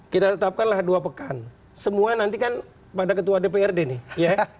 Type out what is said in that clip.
kita tetapkanlah dua pekan semua nanti kan pada ketua dprd nih ya